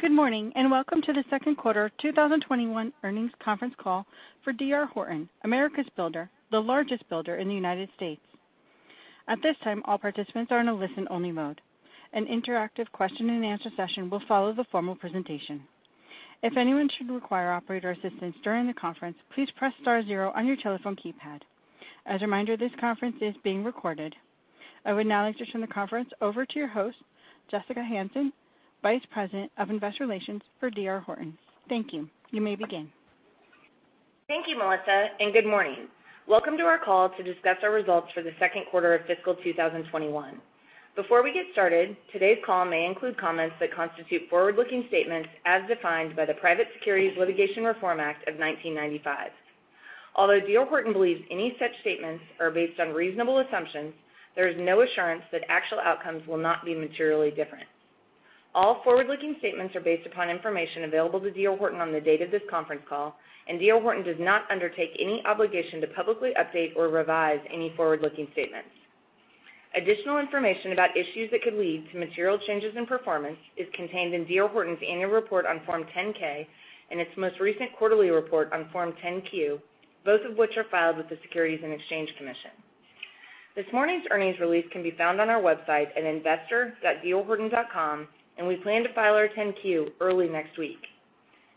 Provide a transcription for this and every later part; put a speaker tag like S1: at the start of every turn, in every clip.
S1: Good morning, and welcome to the second quarter 2021 earnings conference call for D.R. Horton, America's Builder, the largest builder in the United States. At this time, all participants are in a listen-only mode. An interactive question and answer session will follow the formal presentation. If anyone should require operator assistance during the conference, please press star zero on your telephone keypad. As a reminder, this conference is being recorded. I would now like to turn the conference over to your host, Jessica Hansen, Vice President of Investor Relations for D.R. Horton. Thank you. You may begin.
S2: Thank you, Melissa, and good morning. Welcome to our call to discuss our results for the second quarter of fiscal 2021. Before we get started, today's call may include comments that constitute forward-looking statements as defined by the Private Securities Litigation Reform Act of 1995. Although D.R. Horton believes any such statements are based on reasonable assumptions, there is no assurance that actual outcomes will not be materially different. All forward-looking statements are based upon information available to D.R. Horton on the date of this conference call, and D.R. Horton does not undertake any obligation to publicly update or revise any forward-looking statements. Additional information about issues that could lead to material changes in performance is contained in D.R. Horton's annual report on Form 10-K and its most recent quarterly report on Form 10-Q, both of which are filed with the Securities and Exchange Commission. This morning's earnings release can be found on our website at investor.drhorton.com. We plan to file our 10-Q early next week.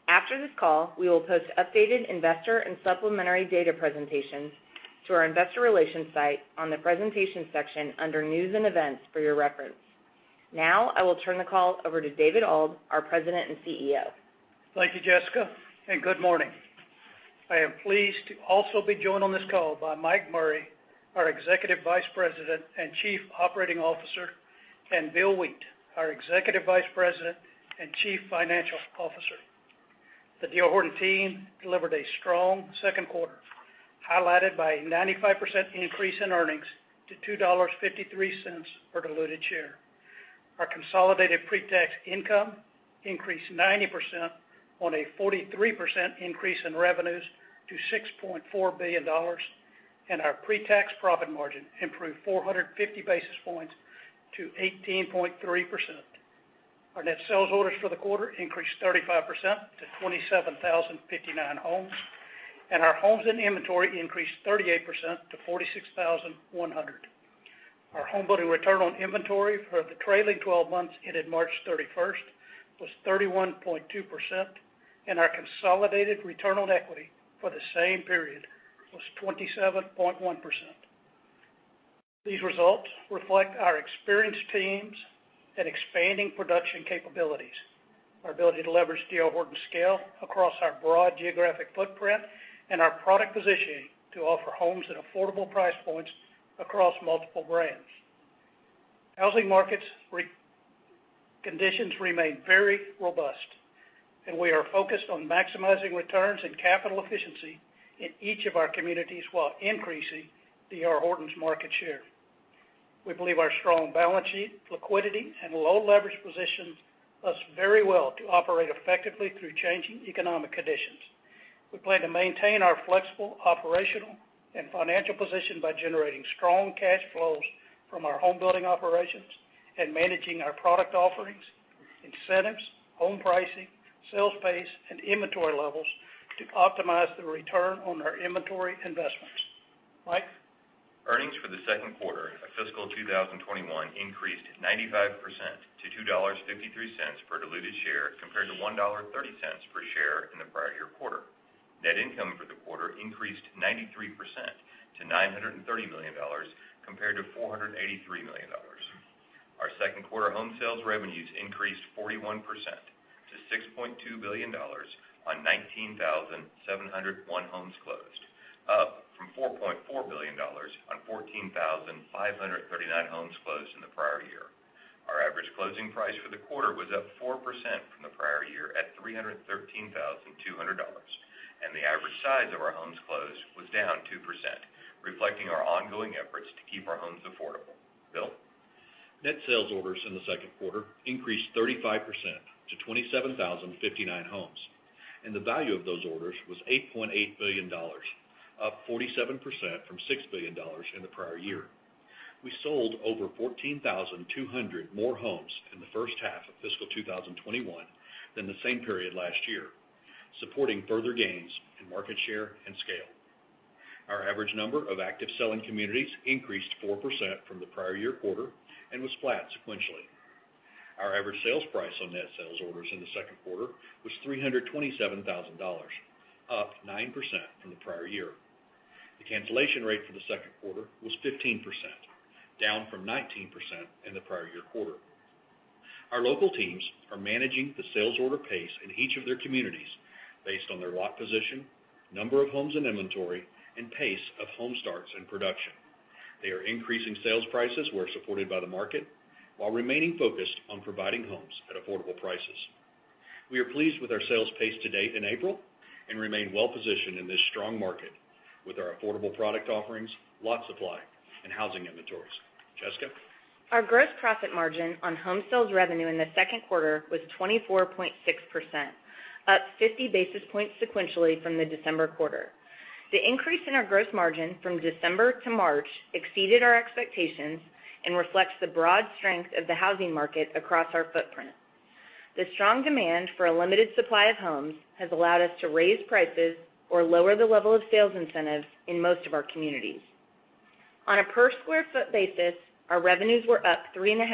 S2: After this call, we will post updated investor and supplementary data presentations to our investor relations site on the presentation section under news and events for your reference. I will turn the call over to David Auld, our President and CEO.
S3: Thank you, Jessica. Good morning. I am pleased to also be joined on this call by Mike Murray, our Executive Vice President and Chief Operating Officer, and Bill Wheat, our Executive Vice President and Chief Financial Officer. The D.R. Horton team delivered a strong second quarter, highlighted by a 95% increase in earnings to $2.53 per diluted share. Our consolidated pre-tax income increased 90% on a 43% increase in revenues to $6.4 billion, and our pre-tax profit margin improved 450 basis points to 18.3%. Our net sales orders for the quarter increased 35% to 27,059 homes, and our homes in inventory increased 38% to 46,100. Our homebuilding return on inventory for the trailing 12 months ended March 31st was 31.2%, and our consolidated return on equity for the same period was 27.1%. These results reflect our experienced teams and expanding production capabilities, our ability to leverage D.R. Horton's scale across our broad geographic footprint, and our product positioning to offer homes at affordable price points across multiple brands. Housing markets conditions remain very robust, and we are focused on maximizing returns and capital efficiency in each of our communities while increasing D.R. Horton's market share. We believe our strong balance sheet, liquidity, and low leverage positions us very well to operate effectively through changing economic conditions. We plan to maintain our flexible operational and financial position by generating strong cash flows from our homebuilding operations and managing our product offerings, incentives, home pricing, sales pace, and inventory levels to optimize the return on our inventory investments. Mike?
S4: Earnings for the second quarter of fiscal 2021 increased 95% to $2.53 per diluted share compared to $1.30 per share in the prior year quarter. Net income for the quarter increased 93% to $930 million compared to $483 million. Our second quarter home sales revenues increased 41% to $6.2 billion on 19,701 homes closed, up from $4.4 billion on 14,539 homes closed in the prior year. Our average closing price for the quarter was up 4% from the prior year at $313,200, and the average size of our homes closed was down 2%, reflecting our ongoing efforts to keep our homes affordable. Bill?
S5: Net sales orders in the second quarter increased 35% to 27,059 homes, and the value of those orders was $8.8 billion, up 47% from $6 billion in the prior year. We sold over 14,200 more homes in the first half of fiscal 2021 than the same period last year, supporting further gains in market share and scale. Our average number of active selling communities increased 4% from the prior year quarter and was flat sequentially. Our average sales price on net sales orders in the second quarter was $327,000, up 9% from the prior year. The cancellation rate for the second quarter was 15%, down from 19% in the prior year quarter. Our local teams are managing the sales order pace in each of their communities based on their lot position, number of homes and inventory, and pace of home starts and production. They are increasing sales prices where supported by the market while remaining focused on providing homes at affordable prices. We are pleased with our sales pace to date in April and remain well-positioned in this strong market with our affordable product offerings, lot supply, and housing inventories. Jessica?
S2: Our gross profit margin on home sales revenue in the second quarter was 24.6%. Up 50 basis points sequentially from the December quarter. The increase in our gross margin from December to March exceeded our expectations and reflects the broad strength of the housing market across our footprint. The strong demand for a limited supply of homes has allowed us to raise prices or lower the level of sales incentives in most of our communities. On a per square foot basis, our revenues were up 3.5%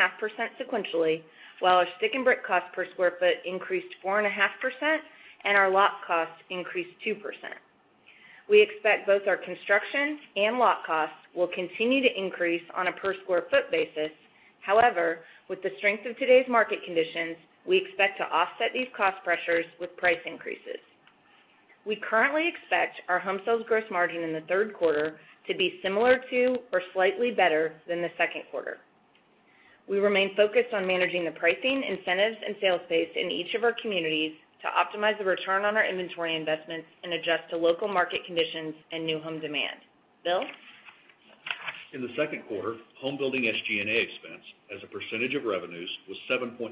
S2: sequentially, while our stick and brick cost per square foot increased 4.5%, and our lot cost increased 2%. We expect both our construction and lot costs will continue to increase on a per square foot basis. With the strength of today's market conditions, we expect to offset these cost pressures with price increases. We currently expect our home sales gross margin in the third quarter to be similar to or slightly better than the second quarter. We remain focused on managing the pricing, incentives, and sales pace in each of our communities to optimize the return on our inventory investments and adjust to local market conditions and new home demand. Bill?
S5: In the second quarter, home building SG&A expense as a percentage of revenues was 7.6%,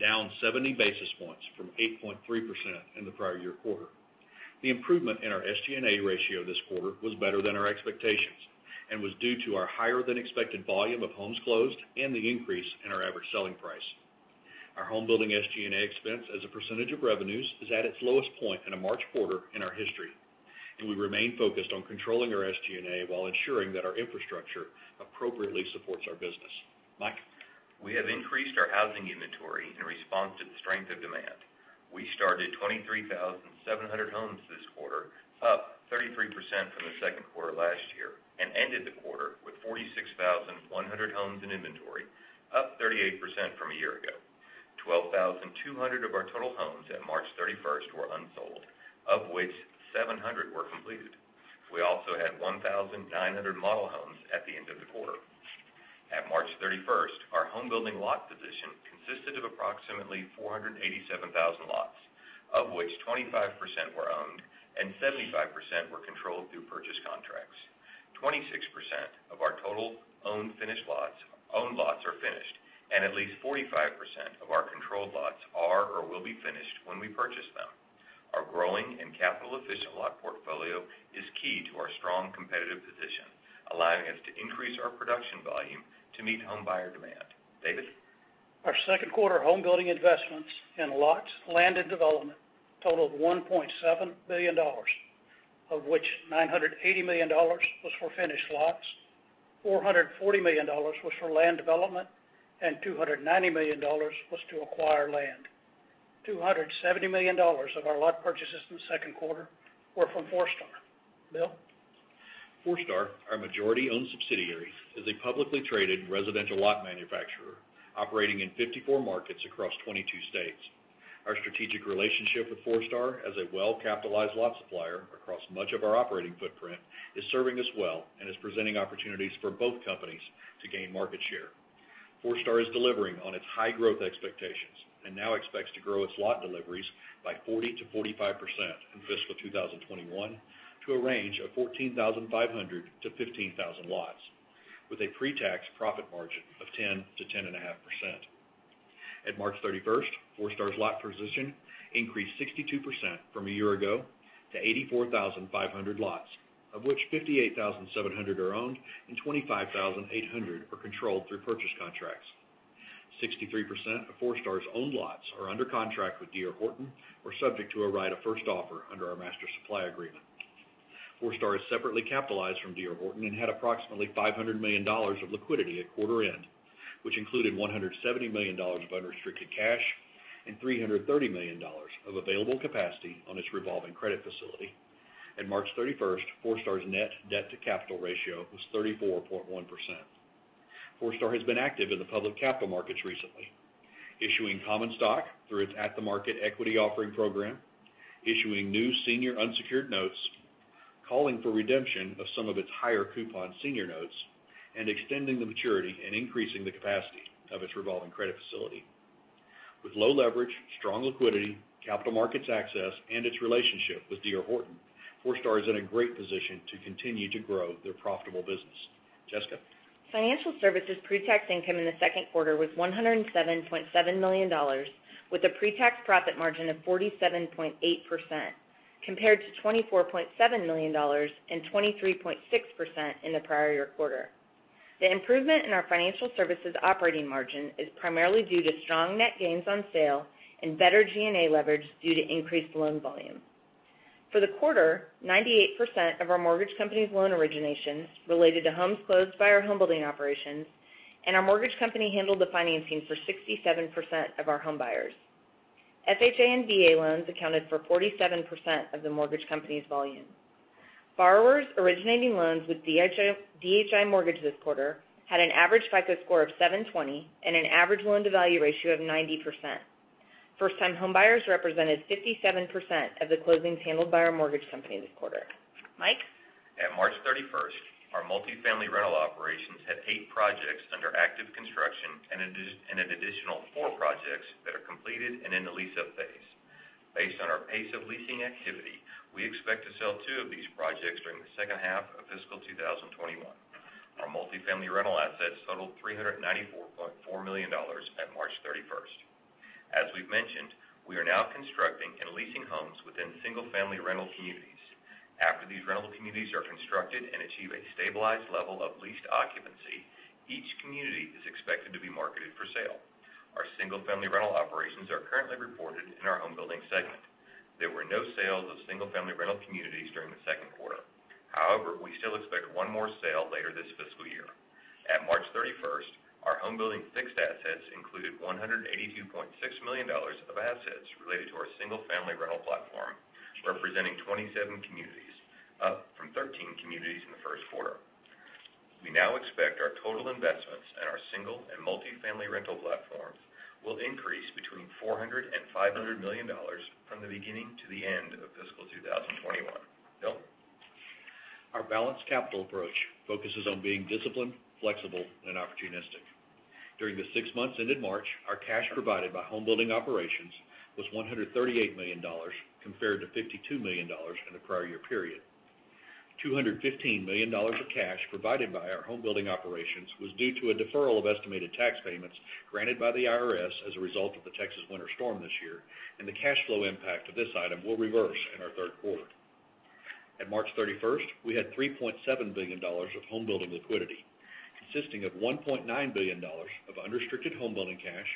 S5: down 70 basis points from 8.3% in the prior year quarter. The improvement in our SG&A ratio this quarter was better than our expectations and was due to our higher than expected volume of homes closed and the increase in our average selling price. Our home building SG&A expense as a percentage of revenues is at its lowest point in a March quarter in our history, and we remain focused on controlling our SG&A while ensuring that our infrastructure appropriately supports our business. Mike?
S4: We have increased our housing inventory in response to the strength of demand. We started 23,700 homes this quarter, up 33% from the second quarter last year, and ended the quarter with 46,100 homes in inventory, up 38% from a year ago. 12,200 of our total homes at March 31st were unsold, of which 700 were completed. We also had 1,900 model homes at the end of the quarter. At March 31st, our home building lot position consisted of approximately 487,000 lots, of which 25% were owned and 75% were controlled through purchase contracts. 26% of our total owned lots are finished, and at least 45% of our controlled lots are or will be finished when we purchase them. Our growing and capital-efficient lot portfolio is key to our strong competitive position, allowing us to increase our production volume to meet homebuyer demand. David?
S3: Our second quarter home building investments in lots, land, and development totaled $1.7 billion, of which $980 million was for finished lots, $440 million was for land development, and $290 million was to acquire land. $270 million of our lot purchases in the second quarter were from Forestar. Bill?
S5: Forestar, our majority-owned subsidiary, is a publicly traded residential lot manufacturer operating in 54 markets across 22 states. Our strategic relationship with Forestar as a well-capitalized lot supplier across much of our operating footprint is serving us well and is presenting opportunities for both companies to gain market share. Forestar is delivering on its high growth expectations and now expects to grow its lot deliveries by 40%-45% in fiscal 2021 to a range of 14,500-15,000 lots, with a pre-tax profit margin of 10%-10.5%. At March 31st, Forestar's lot position increased 62% from a year ago to 84,500 lots, of which 58,700 are owned and 25,800 are controlled through purchase contracts. 63% of Forestar's owned lots are under contract with D.R. Horton or subject to a right of first offer under our master supply agreement. Forestar is separately capitalized from D.R. Horton and had approximately $500 million of liquidity at quarter end, which included $170 million of unrestricted cash and $330 million of available capacity on its revolving credit facility. At March 31st, Forestar's net debt to capital ratio was 34.1%. Forestar has been active in the public capital markets recently, issuing common stock through its at-the-market equity offering program, issuing new senior unsecured notes, calling for redemption of some of its higher coupon senior notes, and extending the maturity and increasing the capacity of its revolving credit facility. With low leverage, strong liquidity, capital markets access, and its relationship with D.R. Horton, Forestar is in a great position to continue to grow their profitable business. Jessica?
S2: Financial services pre-tax income in the second quarter was $107.7 million, with a pre-tax profit margin of 47.8%, compared to $24.7 million and 23.6% in the prior year quarter. The improvement in our financial services operating margin is primarily due to strong net gains on sale and better G&A leverage due to increased loan volume. For the quarter, 98% of our mortgage company's loan originations related to homes closed by our home building operations, and our mortgage company handled the financing for 67% of our home buyers. FHA and VA loans accounted for 47% of the mortgage company's volume. Borrowers originating loans with DHI Mortgage this quarter had an average FICO score of 720 and an average loan-to-value ratio of 90%. First-time homebuyers represented 57% of the closings handled by our mortgage company this quarter. Mike?
S4: At March 31st, our multi-family rental operations had eight projects under active construction and an additional four projects that are completed and in the lease-up phase. Based on our pace of leasing activity, we expect to sell two of these projects during the second half of fiscal 2021. Our multifamily rental assets totaled $394.4 million at March 31st. As we've mentioned, we are now constructing and leasing homes within single-family rental communities. After these rental communities are constructed and achieve a stabilized level of leased occupancy, each community is expected to be marketed for sale. Our single-family rental operations are currently reported in our homebuilding segment. There were no sales of single-family rental communities during the second quarter. We still expect one more sale later this fiscal year. At March 31st, our homebuilding fixed assets included $182.6 million of assets related to our single-family rental platform, representing 27 communities, up from 13 communities in the first quarter. We now expect our total investments in our single and multifamily rental platforms will increase between $400 million and $500 million from the beginning to the end of fiscal 2021. Bill?
S5: Our balanced capital approach focuses on being disciplined, flexible, and opportunistic. During the six months ended March, our cash provided by homebuilding operations was $138 million, compared to $52 million in the prior year period. $215 million of cash provided by our homebuilding operations was due to a deferral of estimated tax payments granted by the IRS as a result of the Texas winter storm this year, and the cash flow impact of this item will reverse in our third quarter. At March 31st, we had $3.7 billion of homebuilding liquidity, consisting of $1.9 billion of unrestricted homebuilding cash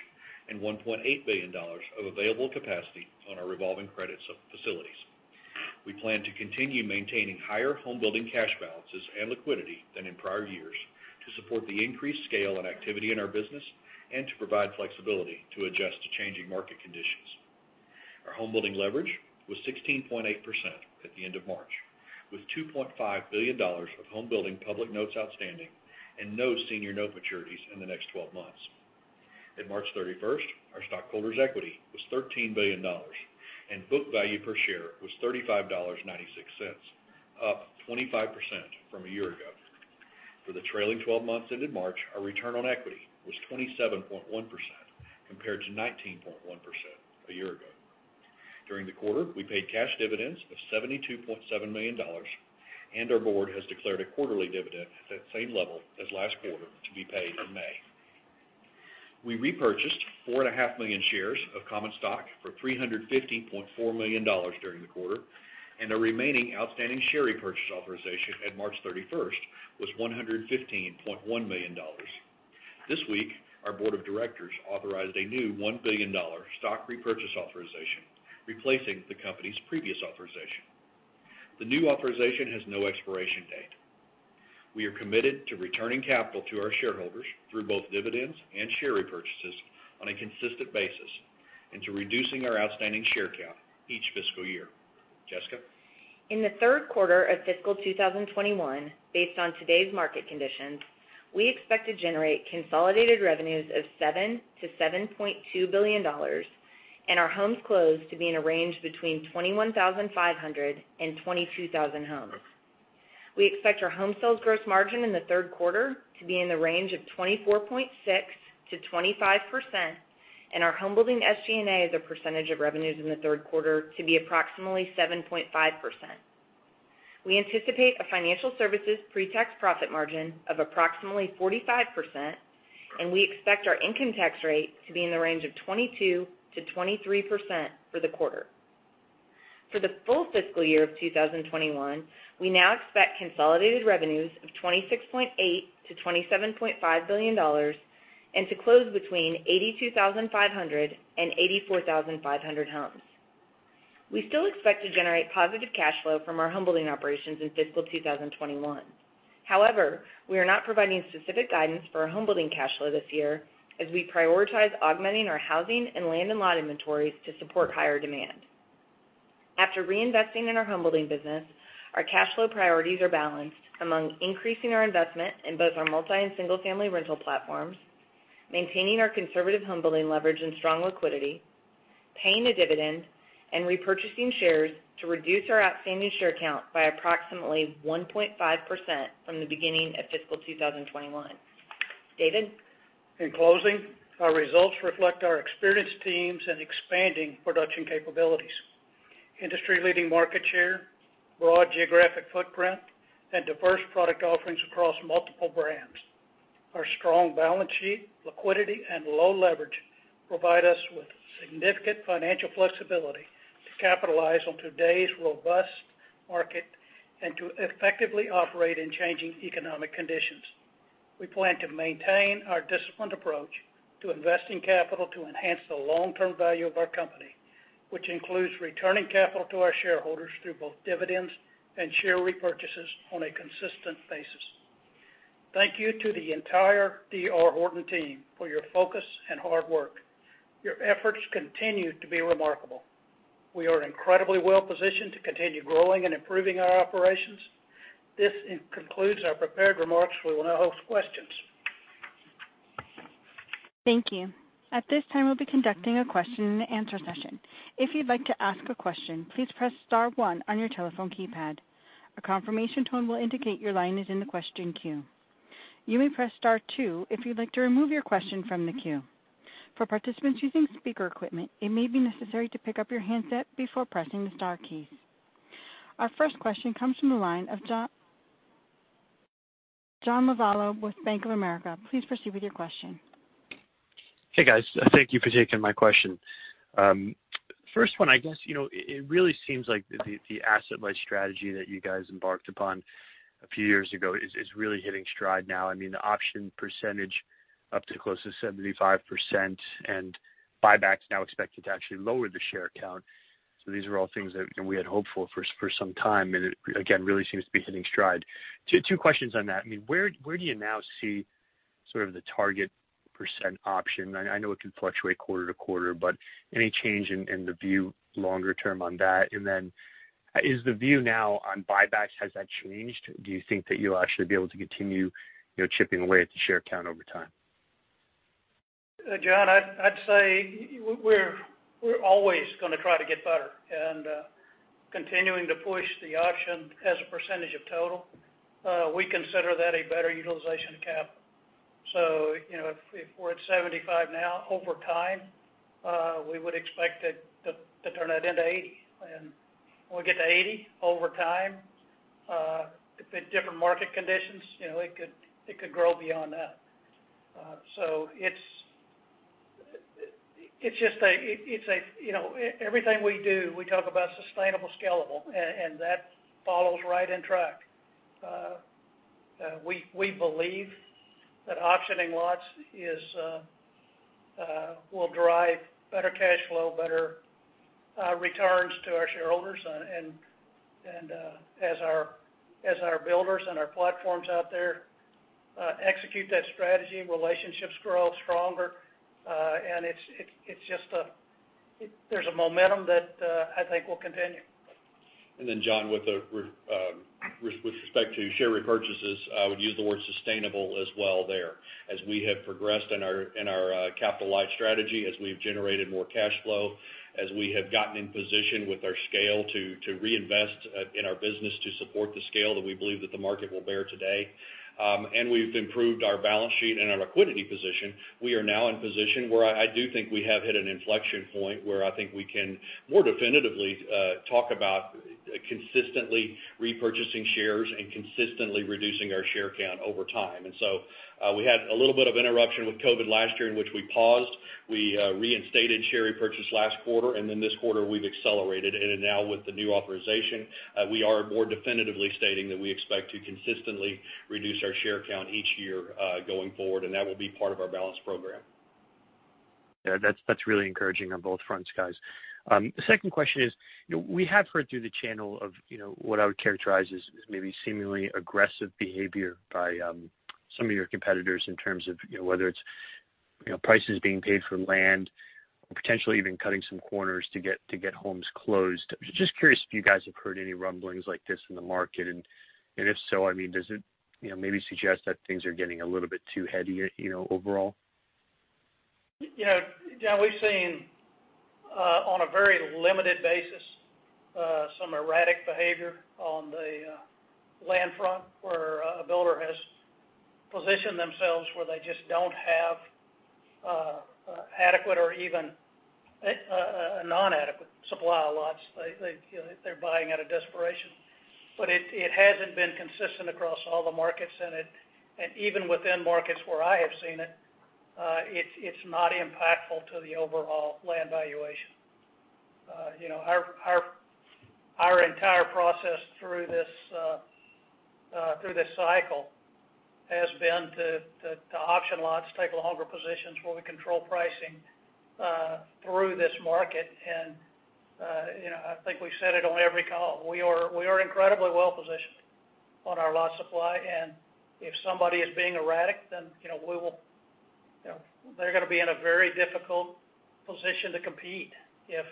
S5: and $1.8 billion of available capacity on our revolving credits facilities. We plan to continue maintaining higher homebuilding cash balances and liquidity than in prior years to support the increased scale and activity in our business and to provide flexibility to adjust to changing market conditions. Our homebuilding leverage was 16.8% at the end of March, with $2.5 billion of homebuilding public notes outstanding and no senior note maturities in the next 12 months. At March 31st, our stockholders' equity was $13 billion, and book value per share was $35.96, up 25% from a year ago. For the trailing 12 months ended March, our return on equity was 27.1%, compared to 19.1% a year ago. During the quarter, we paid cash dividends of $72.7 million. Our board has declared a quarterly dividend at that same level as last quarter to be paid in May. We repurchased 4.5 million shares of common stock for $315.4 million during the quarter. The remaining outstanding share repurchase authorization at March 31st was $115.1 million. This week, our board of directors authorized a new $1 billion stock repurchase authorization, replacing the company's previous authorization. The new authorization has no expiration date. We are committed to returning capital to our shareholders through both dividends and share repurchases on a consistent basis and to reducing our outstanding share count each fiscal year. Jessica?
S2: In the third quarter of fiscal 2021, based on today's market conditions, we expect to generate consolidated revenues of $7 billion-$7.2 billion and our homes closed to be in a range between 21,500 and 22,000 homes. We expect our home sales gross margin in the third quarter to be in the range of 24.6%-25%, and our homebuilding SG&A as a percentage of revenues in the third quarter to be approximately 7.5%. We anticipate a financial services pre-tax profit margin of approximately 45%, and we expect our income tax rate to be in the range of 22%-23% for the quarter. For the full fiscal year of 2021, we now expect consolidated revenues of $26.8 billion-$27.5 billion and to close between 82,500 and 84,500 homes. We still expect to generate positive cash flow from our homebuilding operations in fiscal 2021. However, we are not providing specific guidance for our homebuilding cash flow this year, as we prioritize augmenting our housing and land and lot inventories to support higher demand. After reinvesting in our homebuilding business, our cash flow priorities are balanced among increasing our investment in both our multi and single-family rental platforms, maintaining our conservative homebuilding leverage and strong liquidity, paying a dividend, and repurchasing shares to reduce our outstanding share count by approximately 1.5% from the beginning of fiscal 2021. David?
S3: In closing, our results reflect our experienced teams and expanding production capabilities, industry-leading market share, broad geographic footprint, and diverse product offerings across multiple brands. Our strong balance sheet, liquidity, and low leverage provide us with significant financial flexibility to capitalize on today's robust market and to effectively operate in changing economic conditions. We plan to maintain our disciplined approach to investing capital to enhance the long-term value of our company, which includes returning capital to our shareholders through both dividends and share repurchases on a consistent basis. Thank you to the entire D.R. Horton team for your focus and hard work. Your efforts continue to be remarkable. We are incredibly well-positioned to continue growing and improving our operations. This concludes our prepared remarks. We will now host questions.
S1: Thank you. At this time, we'll be conducting a question and answer session. If you'd like to ask a question, please press star one on your telephone keypad. A confirmation tone will indicate your line is in the question queue. You may press star two if you'd like to remove your question from the queue. For participants using speaker equipment, it may be necessary to pick up your handset before pressing the star keys. Our first question comes from the line of John Lovallo with Bank of America. Please proceed with your question.
S6: Hey, guys. Thank you for taking my question. First one, I guess, it really seems like the asset-light strategy that you guys embarked upon a few years ago is really hitting stride now. The option percentage up to close to 75%, and buybacks now expected to actually lower the share count. These are all things that we had hoped for some time, and it, again, really seems to be hitting stride. Two questions on that. Where do you now see sort of the target percent option? I know it can fluctuate quarter to quarter, but any change in the view longer term on that? Is the view now on buybacks, has that changed? Do you think that you'll actually be able to continue chipping away at the share count over time?
S3: John, I'd say we're always going to try to get better, and continuing to push the option as a percentage of total, we consider that a better utilization of capital. If we're at 75 now, over time, we would expect to turn that into 80. When we get to 80, over time, if different market conditions, it could grow beyond that. It's just everything we do, we talk about sustainable, scalable, and that follows right in track. We believe that optioning lots will drive better cash flow, better returns to our shareholders. As our builders and our platforms out there execute that strategy, relationships grow stronger. There's a momentum that I think will continue.
S5: John, with respect to share repurchases, I would use the word sustainable as well there. As we have progressed in our capital-light strategy, as we've generated more cash flow, as we have gotten in position with our scale to reinvest in our business to support the scale that we believe that the market will bear today. We've improved our balance sheet and our liquidity position. We are now in position where I do think we have hit an inflection point where I think we can more definitively talk about consistently repurchasing shares and consistently reducing our share count over time. We had a little bit of interruption with COVID last year in which we paused. We reinstated share repurchase last quarter, and then this quarter we've accelerated. Now with the new authorization, we are more definitively stating that we expect to consistently reduce our share count each year going forward, and that will be part of our balanced program.
S6: Yeah, that's really encouraging on both fronts, guys. The second question is, we have heard through the channel of what I would characterize as maybe seemingly aggressive behavior by some of your competitors in terms of whether it's prices being paid for land or potentially even cutting some corners to get homes closed. Just curious if you guys have heard any rumblings like this in the market, and if so, does it maybe suggest that things are getting a little bit too heady overall?
S3: John, we've seen on a very limited basis, some erratic behavior on the land front where a builder has positioned themselves where they just don't have adequate or even a non-adequate supply of lots. They're buying out of desperation. It hasn't been consistent across all the markets, and even within markets where I have seen it's not impactful to the overall land valuation. Our entire process through this cycle has been to option lots, take longer positions where we control pricing through this market, and I think we've said it on every call. We are incredibly well positioned on our lot supply, and if somebody is being erratic, then they're going to be in a very difficult position to compete if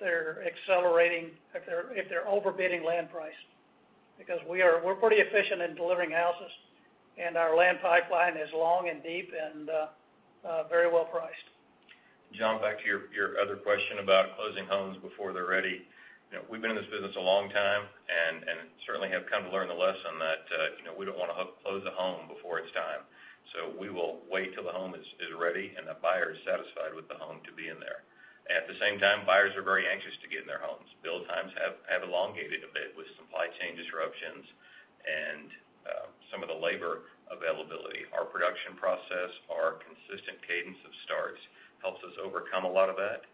S3: they're overbidding land price. Because we're pretty efficient in delivering houses, and our land pipeline is long and deep and very well priced.
S5: John, back to your other question about closing homes before they're ready. We've been in this business a long time and certainly have come to learn the lesson that we don't want to close a home before it's time. We will wait till the home is ready and the buyer is satisfied with the home to be in there. At the same time, buyers are very anxious to get in their homes. Build times have elongated a bit with supply chain disruptions and some of the labor availability. Our production process, our consistent cadence of starts helps us overcome a lot of that.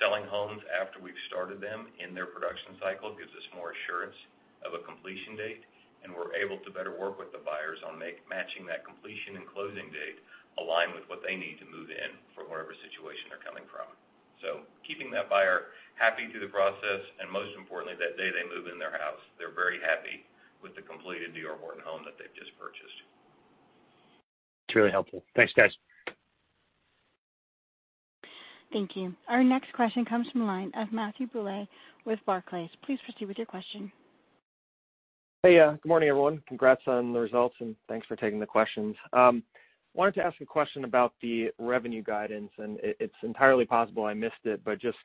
S5: Selling homes after we've started them in their production cycle gives us more assurance of a completion date, and we're able to better work with the buyers on matching that completion and closing date aligned with what they need to move in from whatever situation they're coming from. Keeping that buyer happy through the process, and most importantly, that day they move in their house, they're very happy with the completed D.R. Horton home that they've just purchased.
S6: It's really helpful. Thanks, guys.
S1: Thank you. Our next question comes from the line of Matthew Bouley with Barclays. Please proceed with your question.
S7: Hey, good morning, everyone. Congrats on the results, and thanks for taking the questions. Wanted to ask a question about the revenue guidance, and it's entirely possible I missed it, but just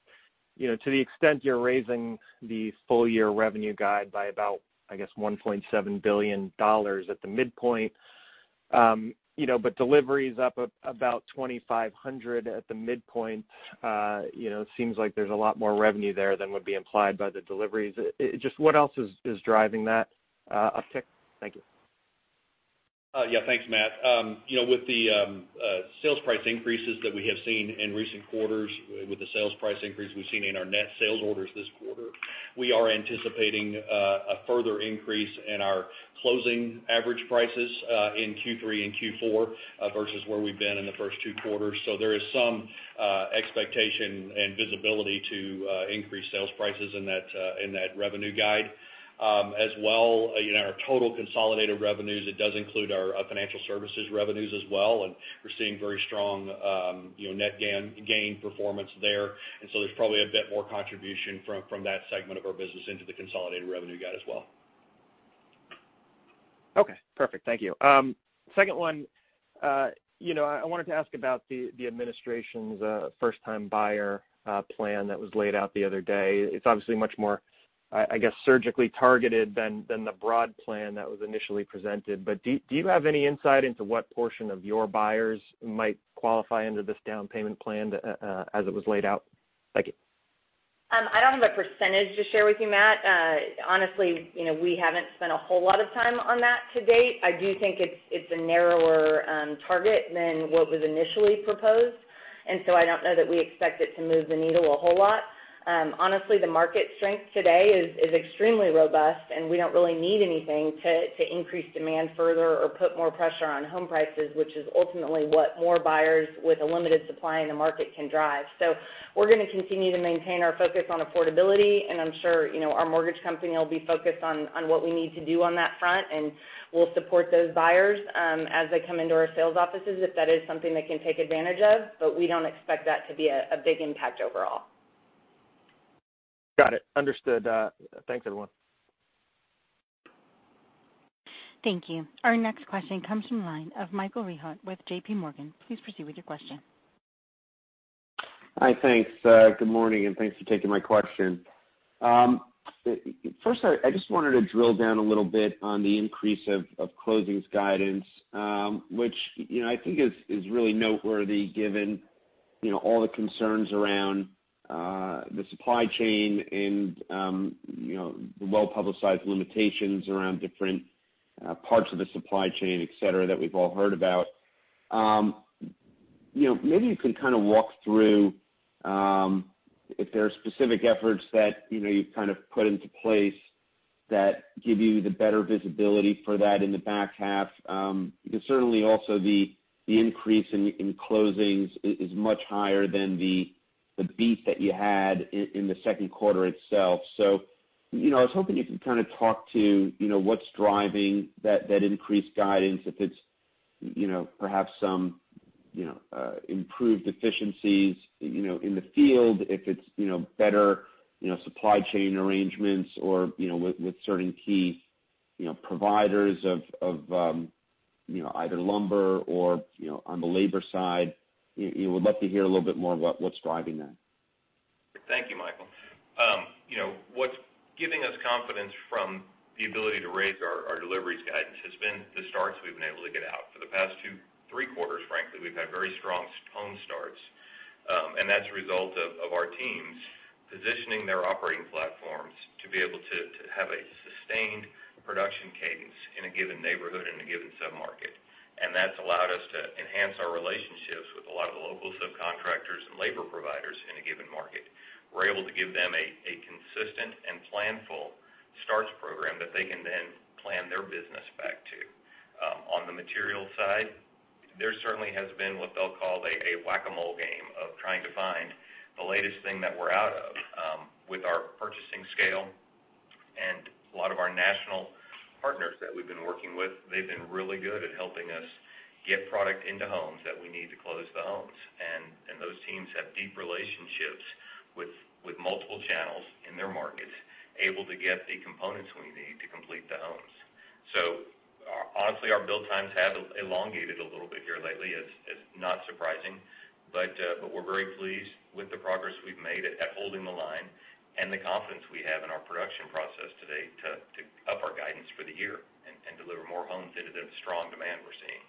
S7: to the extent you're raising the full-year revenue guide by about, I guess, $1.7 billion at the midpoint. Delivery is up about 2,500 at the midpoint. It seems like there's a lot more revenue there than would be implied by the deliveries. Just what else is driving that uptick? Thank you.
S5: Yeah. Thanks, Matt. With the sales price increases that we have seen in recent quarters, with the sales price increase we've seen in our net sales orders this quarter, we are anticipating a further increase in our closing average prices in Q3 and Q4 versus where we've been in the first two quarters. There is some expectation and visibility to increase sales prices in that revenue guide. In our total consolidated revenues, it does include our Financial Services revenues as well, and we're seeing very strong net gain performance there. There's probably a bit more contribution from that segment of our business into the consolidated revenue guide as well.
S7: Okay. Perfect. Thank you. Second one, I wanted to ask about the administration's first-time buyer plan that was laid out the other day. It's obviously much more, I guess, surgically targeted than the broad plan that was initially presented. Do you have any insight into what portion of your buyers might qualify under this down payment plan as it was laid out? Thank you.
S2: I don't have a percentage to share with you, Matt. Honestly, we haven't spent a whole lot of time on that to date. I do think it's a narrower target than what was initially proposed. I don't know that we expect it to move the needle a whole lot. Honestly, the market strength today is extremely robust. We don't really need anything to increase demand further or put more pressure on home prices, which is ultimately what more buyers with a limited supply in the market can drive. We're going to continue to maintain our focus on affordability, and I'm sure our mortgage company will be focused on what we need to do on that front, and we'll support those buyers as they come into our sales offices if that is something they can take advantage of, but we don't expect that to be a big impact overall.
S7: Got it. Understood. Thanks, everyone.
S1: Thank you. Our next question comes from the line of Michael Rehaut with JPMorgan. Please proceed with your question.
S8: Hi, thanks. Good morning, thanks for taking my question. First, I just wanted to drill down a little bit on the increase of closings guidance, which I think is really noteworthy given all the concerns around the supply chain and the well-publicized limitations around different parts of the supply chain, et cetera, that we've all heard about. Maybe you can kind of walk through if there are specific efforts that you've kind of put into place that give you the better visibility for that in the back half. Certainly also the increase in closings is much higher than the beat that you had in the second quarter itself. I was hoping you could kind of talk to what's driving that increased guidance, if it's perhaps some improved efficiencies in the field, if it's better supply chain arrangements or with certain key providers of either lumber or on the labor side. We would love to hear a little bit more what's driving that.
S4: Thank you, Michael. What's giving us confidence from the ability to raise our deliveries guidance has been the starts we've been able to get out. For the past two, three quarters, frankly, we've had very strong home starts. That's a result of our teams positioning their operating platforms to be able to have a sustained production cadence in a given neighborhood in a given sub-market. That's allowed us to enhance our relationships with a lot of the local subcontractors and labor providers in a given market. We're able to give them a consistent and plan-full starts program that they can then plan their business back to. On the material side, there certainly has been what they'll call a whack-a-mole game of trying to find the latest thing that we're out of. With our purchasing scale and a lot of our national partners that we've been working with, they've been really good at helping us get product into homes that we need to close the homes. Those teams have deep relationships with multiple channels in their markets, able to get the components we need to complete the homes. Honestly, our build times have elongated a little bit here lately. It's not surprising, but we're very pleased with the progress we've made at holding the line and the confidence we have in our production process today to up our guidance for the year and deliver more homes into the strong demand we're seeing.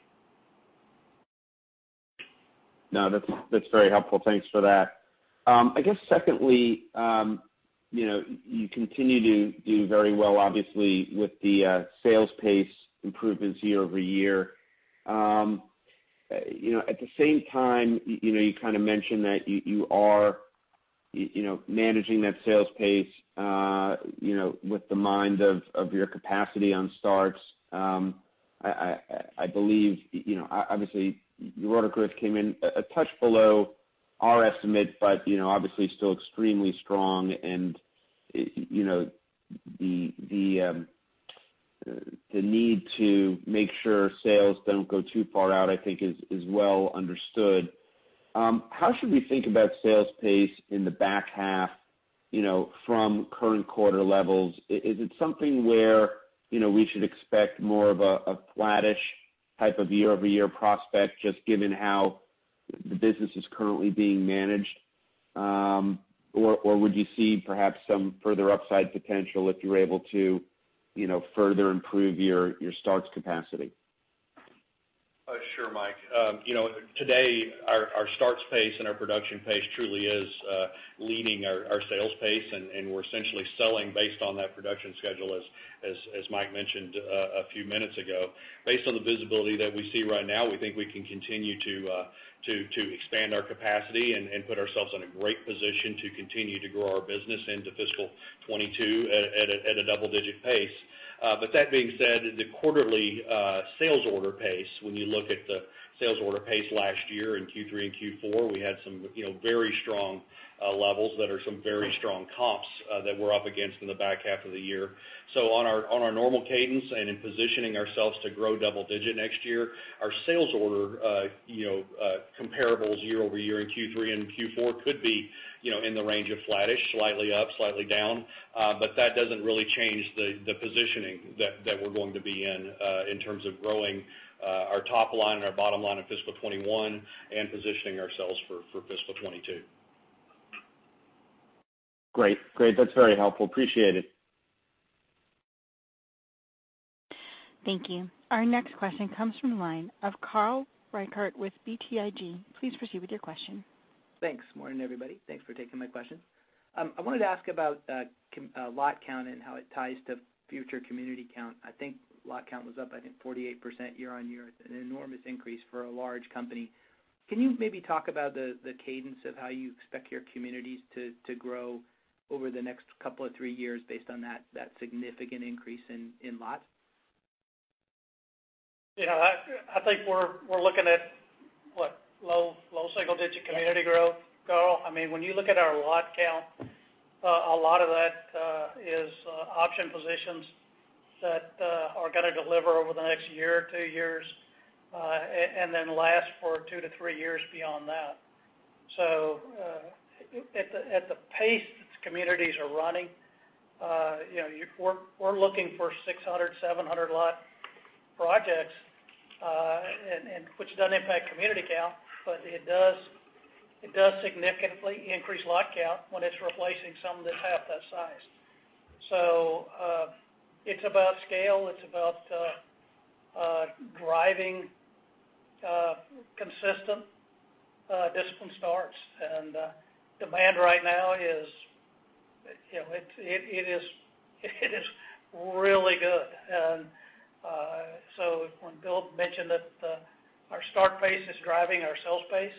S8: No, that's very helpful. Thanks for that. Secondly, you continue to do very well, obviously, with the sales pace improvements year-over-year. At the same time, you mentioned that you are managing that sales pace with the mind of your capacity on starts. Obviously, your order growth came in a touch below our estimate, but obviously still extremely strong, and the need to make sure sales don't go too far out, I think is well understood. How should we think about sales pace in the back half from current quarter levels? Is it something where we should expect more of a flattish type of year-over-year prospect, just given how the business is currently being managed, or would you see perhaps some further upside potential if you're able to further improve your starts capacity?
S5: Sure, Mike. Today, our starts pace and our production pace truly is leading our sales pace, and we're essentially selling based on that production schedule as Mike mentioned a few minutes ago. Based on the visibility that we see right now, we think we can continue to expand our capacity and put ourselves in a great position to continue to grow our business into fiscal 2022 at a double-digit pace. That being said, the quarterly sales order pace, when you look at the sales order pace last year in Q3 and Q4, we had some very strong levels that are some very strong comps that we're up against in the back half of the year. On our normal cadence and in positioning ourselves to grow double-digit next year, our sales order comparables year-over-year in Q3 and Q4 could be in the range of flattish, slightly up, slightly down. That doesn't really change the positioning that we're going to be in terms of growing our top line and our bottom line in fiscal 2021 and positioning ourselves for fiscal 2022.
S8: Great. That's very helpful. Appreciate it.
S1: Thank you. Our next question comes from the line of Carl Reichardt with BTIG. Please proceed with your question.
S9: Thanks. Morning, everybody. Thanks for taking my question. I wanted to ask about lot count and how it ties to future community count. I think lot count was up, I think, 48% year-over-year. An enormous increase for a large company. Can you maybe talk about the cadence of how you expect your communities to grow over the next couple of three years based on that significant increase in lots?
S3: I think we're looking at, what? Low single-digit community growth, Carl. When you look at our lot count, a lot of that is option positions that are going to deliver over the next year or two years, and then last for two to three years beyond that. At the pace that communities are running, we're looking for 600, 700-lot projects, which doesn't impact community count, but it does significantly increase lot count when it's replacing something that's half that size. It's about scale, it's about driving consistent discipline starts, and demand right now is really good. When Bill mentioned that our start pace is driving our sales pace,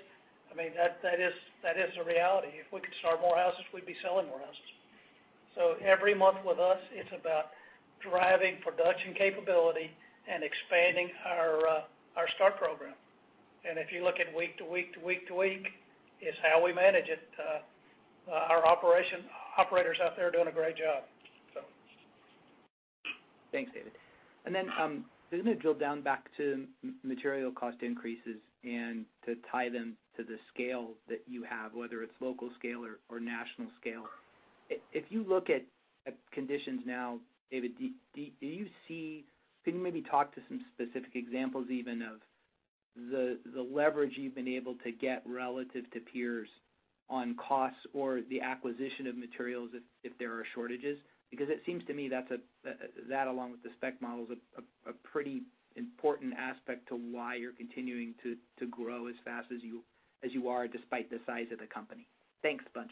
S3: that is a reality. If we could start more houses, we'd be selling more houses. Every month with us, it's about driving production capability and expanding our start program. If you look at week to week to week to week, it's how we manage it. Our operators out there are doing a great job.
S9: Thanks, David. I'm going to drill down back to material cost increases and to tie them to the scale that you have, whether it's local scale or national scale. If you look at conditions now, David, can you maybe talk to some specific examples even of the leverage you've been able to get relative to peers on costs or the acquisition of materials if there are shortages? It seems to me that along with the spec model is a pretty important aspect to why you're continuing to grow as fast as you are, despite the size of the company. Thanks a bunch.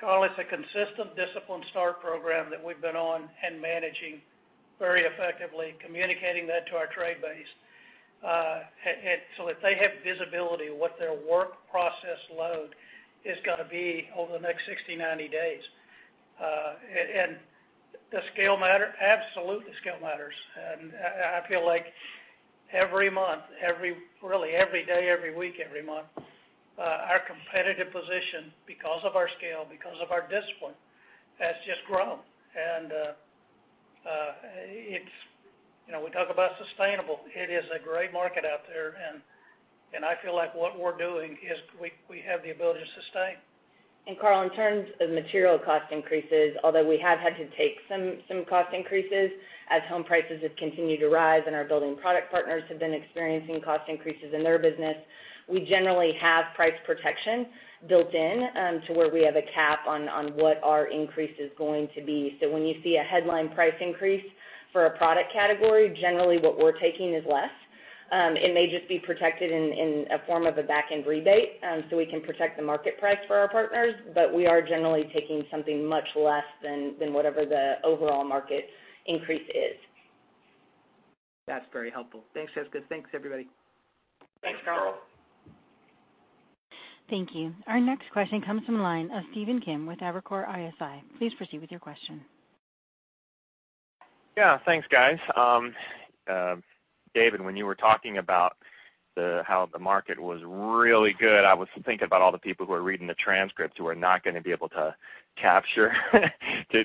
S3: Carl, it's a consistent discipline start program that we've been on and managing very effectively, communicating that to our trade base, so that they have visibility of what their work process load is going to be over the next 60, 90 days. Does scale matter? Absolutely, scale matters. I feel like every month, really every day, every week, every month, our competitive position, because of our scale, because of our discipline, has just grown. We talk about sustainable. It is a great market out there, and I feel like what we're doing is we have the ability to sustain.
S2: Carl, in terms of material cost increases, although we have had to take some cost increases as home prices have continued to rise and our building product partners have been experiencing cost increases in their business, we generally have price protection built in to where we have a cap on what our increase is going to be. When you see a headline price increase for a product category, generally what we're taking is less. It may just be protected in a form of a back-end rebate, so we can protect the market price for our partners. We are generally taking something much less than whatever the overall market increase is.
S9: That's very helpful. Thanks, Jessica. Thanks, everybody.
S2: Thanks, Carl.
S1: Thank you. Our next question comes from the line of Stephen Kim with Evercore ISI. Please proceed with your question.
S10: Thanks, guys. David, when you were talking about how the market was really good, I was thinking about all the people who are reading the transcripts who are not going to be able to capture. The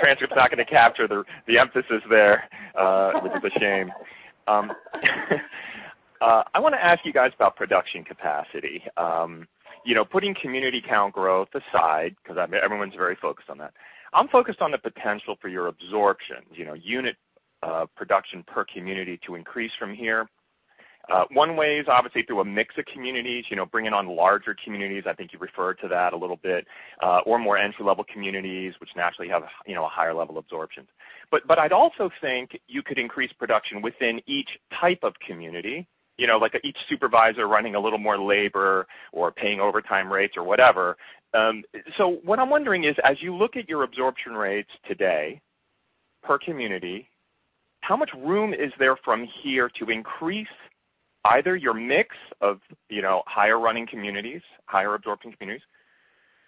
S10: transcript's not going to capture the emphasis there, which is a shame. I want to ask you guys about production capacity. Putting community count growth aside, because everyone's very focused on that, I'm focused on the potential for your absorption. Unit production per community to increase from here. One way is obviously through a mix of communities, bringing on larger communities, I think you referred to that a little bit, or more entry-level communities, which naturally have a higher level of absorption. I'd also think you could increase production within each type of community, like each supervisor running a little more labor or paying overtime rates or whatever. What I'm wondering is, as you look at your absorption rates today per community, how much room is there from here to increase either your mix of higher-running communities, higher-absorption communities,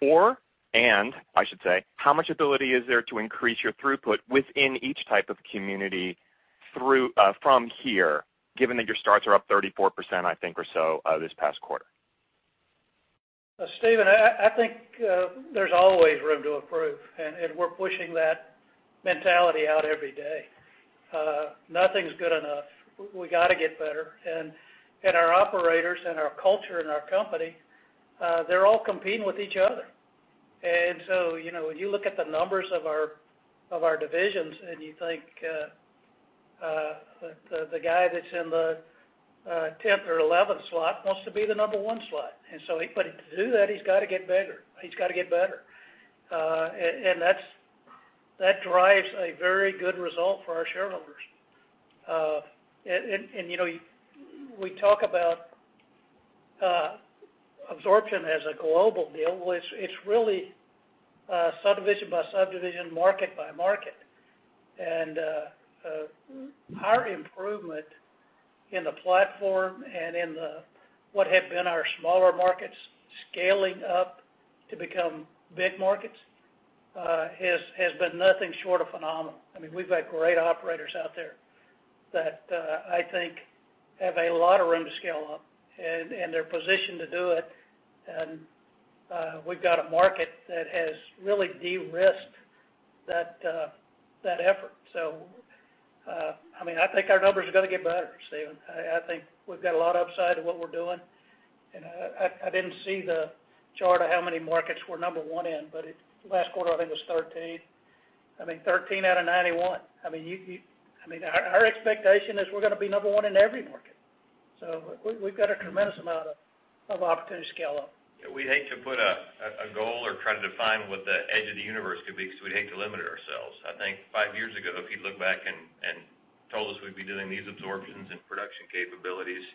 S10: or, and, I should say, how much ability is there to increase your throughput within each type of community from here, given that your starts are up 34%, I think, or so, this past quarter?
S3: Stephen, I think there's always room to improve, and we're pushing that mentality out every day. Nothing's good enough. We got to get better, and our operators and our culture and our company, they're all competing with each other. So, when you look at the numbers of our divisions, and you think the guy that's in the 10th or 11th slot wants to be the number one slot. To do that, he's got to get better. He's got to get better. That drives a very good result for our shareholders. We talk about absorption as a global deal. Well, it's really subdivision by subdivision, market by market. Our improvement in the platform and in the what have been our smaller markets scaling up to become big markets has been nothing short of phenomenal. We've got great operators out there that I think have a lot of room to scale up, and they're positioned to do it. We've got a market that has really de-risked that effort. I think our numbers are going to get better, Stephen. I think we've got a lot of upside to what we're doing. I didn't see the chart of how many markets we're number one in, but last quarter, I think it was 13. 13 out of 91. Our expectation is we're going to be number one in every market. We've got a tremendous amount of opportunity to scale up.
S4: We'd hate to put a goal or try to define what the edge of the universe could be, because we'd hate to limit ourselves. I think five years ago, if you'd looked back and told us we'd be doing these absorptions and production capabilities,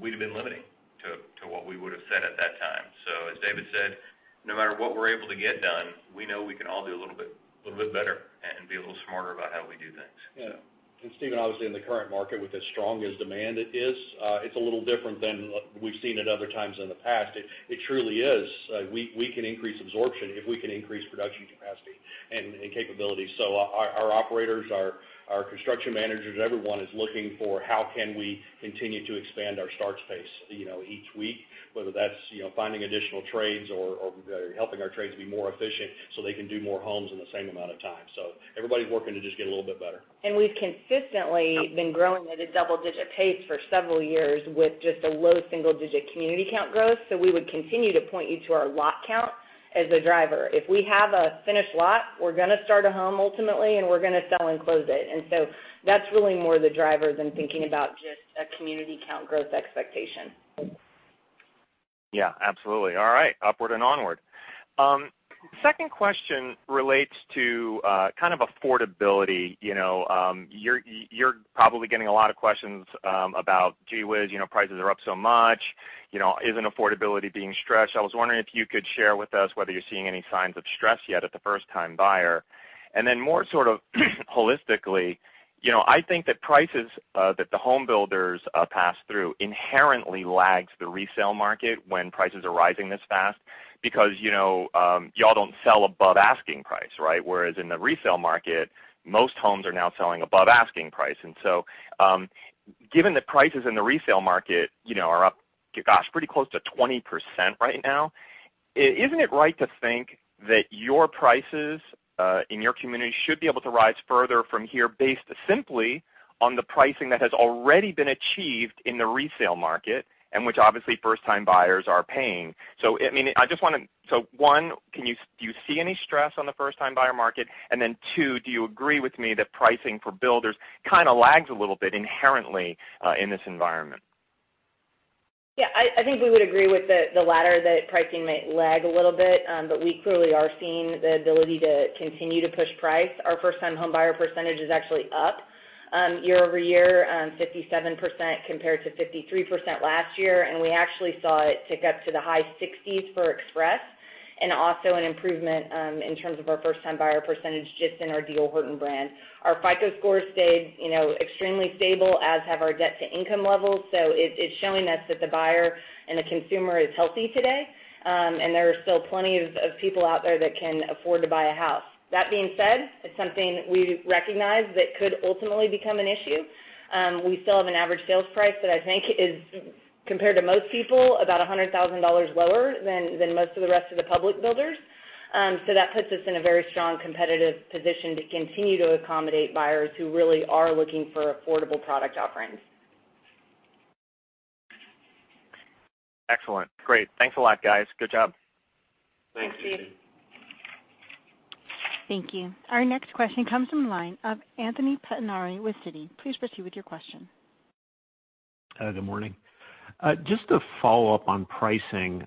S4: we'd have been limiting to what we would have said at that time. As David said, no matter what we're able to get done, we know we can all do a little bit better and be a little smarter about how we do things.
S5: Yeah. Stephen, obviously, in the current market, with as strong as demand is, it's a little different than what we've seen at other times in the past. It truly is. We can increase absorption if we can increase production capacity and capabilities. Our operators, our construction managers, everyone is looking for how can we continue to expand our starts pace each week, whether that's finding additional trades or helping our trades be more efficient so they can do more homes in the same amount of time. Everybody's working to just get a little bit better.
S2: We've consistently been growing at a double-digit pace for several years with just a low single-digit community count growth. We would continue to point you to our lot count as the driver. If we have a finished lot, we're going to start a home ultimately, and we're going to sell and close it. That's really more the driver than thinking about just a community count growth expectation.
S10: Yeah, absolutely. All right. Upward and onward. Second question relates to affordability. You're probably getting a lot of questions about, gee whiz, prices are up so much. Isn't affordability being stretched? I was wondering if you could share with us whether you're seeing any signs of stress yet at the first-time buyer. More holistically, I think that prices that the home builders pass through inherently lags the resale market when prices are rising this fast because y'all don't sell above asking price, right? Whereas in the resale market, most homes are now selling above asking price. Given that prices in the resale market are up, gosh, pretty close to 20% right now, isn't it right to think that your prices in your community should be able to rise further from here based simply on the pricing that has already been achieved in the resale market and which obviously first-time buyers are paying? One, do you see any stress on the first-time buyer market? Then two, do you agree with me that pricing for builders kind of lags a little bit inherently in this environment?
S2: Yeah. I think we would agree with the latter, that pricing might lag a little bit. We clearly are seeing the ability to continue to push price. Our first-time homebuyer percentage is actually up year-over-year, 57% compared to 53% last year, and we actually saw it tick up to the high 60s for Express, and also an improvement in terms of our first-time buyer percentage just in our D.R. Horton brand. Our FICO score stayed extremely stable, as have our debt-to-income levels. It's showing us that the buyer and the consumer is healthy today, and there are still plenty of people out there that can afford to buy a house. That being said, it's something we recognize that could ultimately become an issue. We still have an average sales price that I think is, compared to most people, about $100,000 lower than most of the rest of the public builders. That puts us in a very strong competitive position to continue to accommodate buyers who really are looking for affordable product offerings.
S10: Excellent. Great. Thanks a lot, guys. Good job. Thanks, David. Thanks, David.
S1: Thank you. Our next question comes from the line of Anthony Pettinari with Citi. Please proceed with your question.
S11: Good morning. Just to follow up on pricing,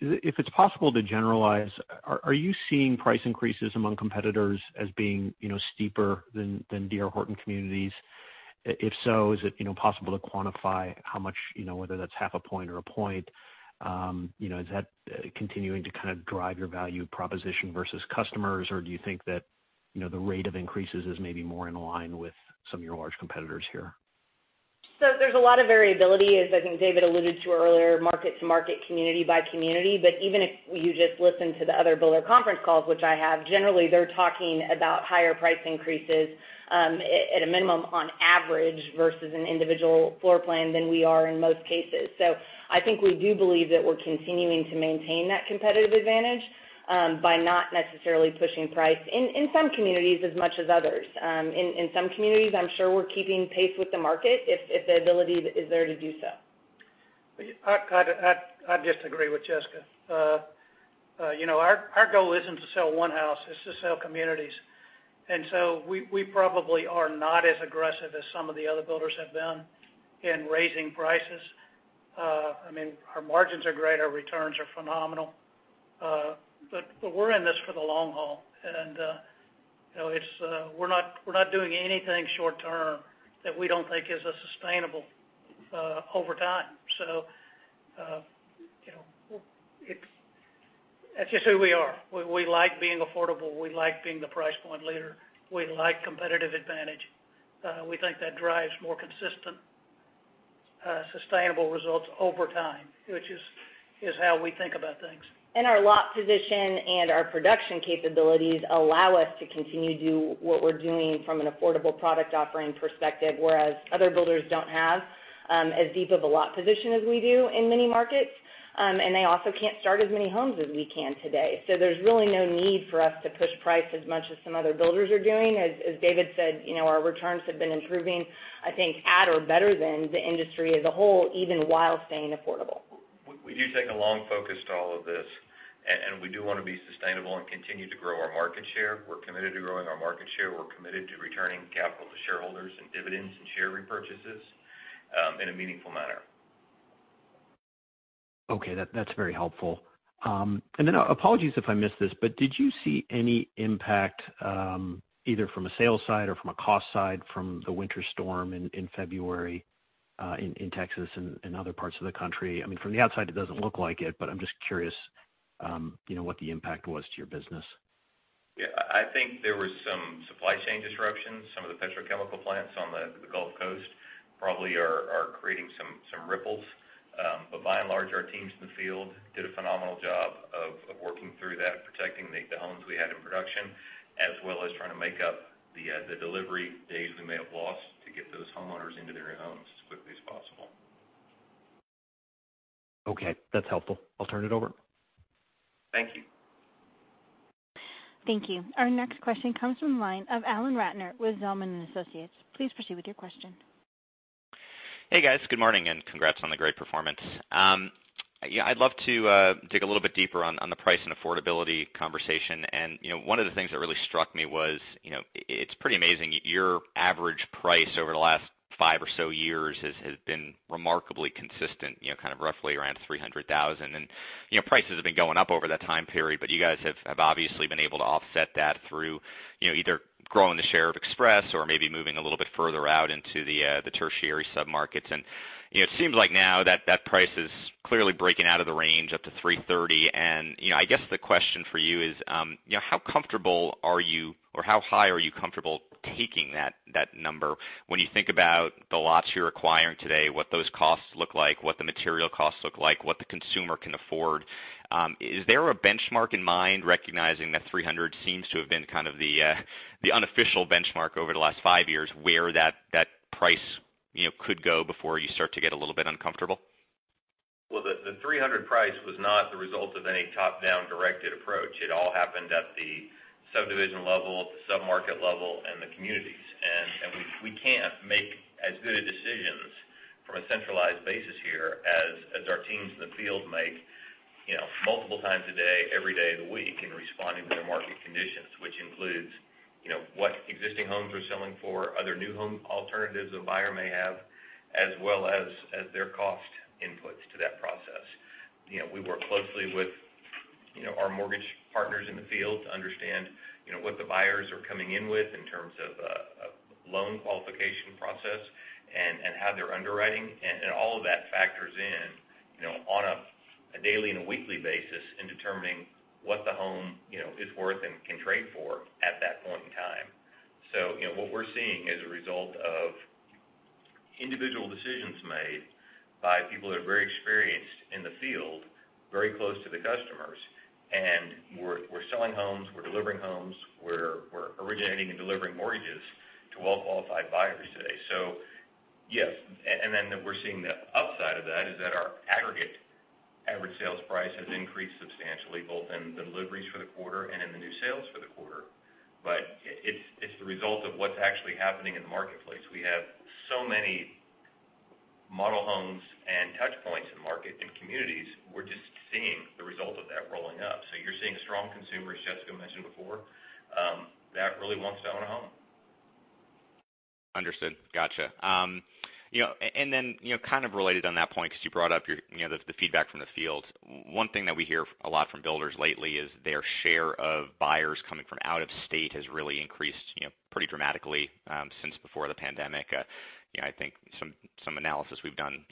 S11: if it's possible to generalize, are you seeing price increases among competitors as being steeper than D.R. Horton communities? If so, is it possible to quantify how much, whether that's half a point or a point? Is that continuing to kind of drive your value proposition versus customers? Do you think that the rate of increases is maybe more in line with some of your large competitors here?
S2: There's a lot of variability as, I think, David alluded to earlier, market to market, community by community. Even if you just listen to the other builder conference calls, which I have, generally, they're talking about higher price increases, at a minimum, on average, versus an individual floor plan than we are in most cases. I think we do believe that we're continuing to maintain that competitive advantage by not necessarily pushing price in some communities as much as others. In some communities, I'm sure we're keeping pace with the market if the ability is there to do so.
S3: I disagree with Jessica. Our goal isn't to sell one house, it's to sell communities. We probably are not as aggressive as some of the other builders have been in raising prices. Our margins are great, our returns are phenomenal. We're in this for the long haul, and we're not doing anything short-term that we don't think is sustainable over time. That's just who we are. We like being affordable. We like being the price point leader. We like competitive advantage. We think that drives more consistent, sustainable results over time, which is how we think about things.
S2: Our lot position and our production capabilities allow us to continue to do what we're doing from an affordable product offering perspective, whereas other builders don't have as deep of a lot position as we do in many markets. They also can't start as many homes as we can today. There's really no need for us to push price as much as some other builders are doing. As David said, our returns have been improving, I think at or better than the industry as a whole, even while staying affordable.
S4: We do take a long focus to all of this, and we do want to be sustainable and continue to grow our market share. We're committed to growing our market share. We're committed to returning capital to shareholders in dividends and share repurchases in a meaningful manner.
S11: Okay. That's very helpful. Apologies if I missed this, but did you see any impact, either from a sales side or from a cost side, from the winter storm in February in Texas and other parts of the country? From the outside, it doesn't look like it, but I'm just curious what the impact was to your business.
S4: I think there was some supply chain disruptions. Some of the petrochemical plants on the Gulf Coast probably are creating some ripples. By and large, our teams in the field did a phenomenal job of working through that, protecting the homes we had in production, as well as trying to make up the delivery days we may have lost to get those homeowners into their new homes as quickly as possible.
S11: Okay. That's helpful. I'll turn it over.
S3: Thank you.
S1: Thank you. Our next question comes from the line of Alan Ratner with Zelman & Associates. Please proceed with your question.
S12: Hey, guys. Good morning. Congrats on the great performance. I'd love to dig a little bit deeper on the price and affordability conversation. One of the things that really struck me was, it's pretty amazing, your average price over the last five or so years has been remarkably consistent, kind of roughly around $300,000. Prices have been going up over that time period, but you guys have obviously been able to offset that through either growing the share of Express or maybe moving a little bit further out into the tertiary sub-markets. It seems like now that that price is clearly breaking out of the range up to $330,000. I guess the question for you is how comfortable are you, or how high are you comfortable taking that number when you think about the lots you're acquiring today, what those costs look like, what the material costs look like, what the consumer can afford? Is there a benchmark in mind, recognizing that $300,000 seems to have been kind of the unofficial benchmark over the last five years, where that price could go before you start to get a little bit uncomfortable?
S4: Well, the $300,000 price was not the result of any top-down directed approach. It all happened at the subdivision level, the sub-market level, and the communities. We can't make as good of decisions from a centralized basis here as our teams in the field make multiple times a day, every day of the week in responding to the market conditions. Which includes what existing homes are selling for, other new home alternatives a buyer may have, as well as their cost inputs to that process. We work closely with our mortgage partners in the field to understand what the buyers are coming in with in terms of loan qualification process and how they're underwriting. All of that factors in on a daily and a weekly basis in determining what the home is worth and can trade for at that point in time. What we're seeing is a result of individual decisions made by people that are very experienced in the field, very close to the customers, and we're selling homes, we're delivering homes, we're originating and delivering mortgages to well-qualified buyers today. Yes. We're seeing the upside of that, is that our aggregate average sales price has increased substantially, both in the deliveries for the quarter and in the new sales for the quarter. It's the result of what's actually happening in the marketplace. We have so many model homes and touchpoints in market and communities. We're just seeing the result of that rolling up. You're seeing a strong consumer, as Jessica mentioned before, that really wants to own a home.
S12: Understood. Got you. Then, kind of related on that point, because you brought up the feedback from the field. One thing that we hear a lot from builders lately is their share of buyers coming from out of state has really increased pretty dramatically since before the pandemic. I think some analysis we've done,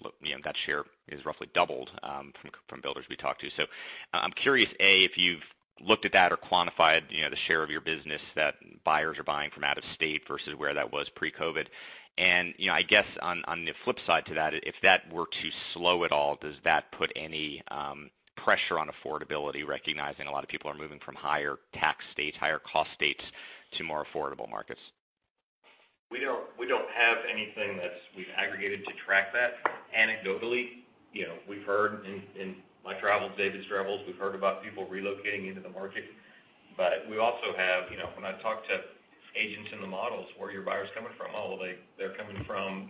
S12: that share is roughly doubled from builders we talked to. I'm curious, A, if you've looked at that or quantified the share of your business that buyers are buying from out of state versus where that was pre-COVID. I guess on the flip side to that, if that were to slow at all, does that put any pressure on affordability, recognizing a lot of people are moving from higher tax states, higher cost states, to more affordable markets?
S4: We don't have anything that we've aggregated to track that. Anecdotally, we've heard in my travels, David's travels, we've heard about people relocating into the market. We also have, when I talk to agents in the models, "Where are your buyers coming from?" "Oh, well, they're coming from